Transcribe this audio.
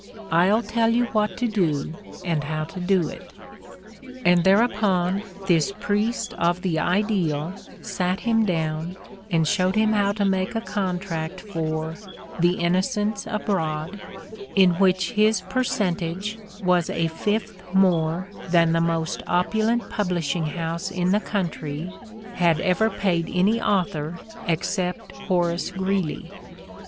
I '11 tell you what to do and how to do it. '' And there upon this priest of the ideal sat him down and showed him how to make a contract for "The Innocents Abroad" in which his percentage was a fifth more than the most opulent publishing house in the country had ever paid any author except Horace Greeley.